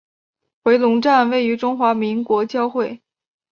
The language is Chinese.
回龙站位于中华民国交会。